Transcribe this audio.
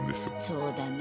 そうだね。